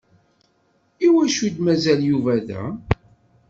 Iwacu i d-mazal Yuba da?